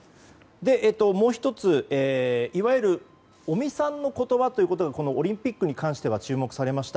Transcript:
もう１つ、いわゆる尾身さんの言葉ということがオリンピックに関しては注目されました。